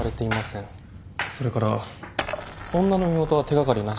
それから女の身元は手掛かりなし。